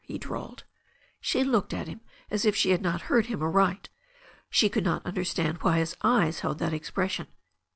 he drawled. She looked at him as if she had not heard him aright. She could not understand why his eyes held that expres sion.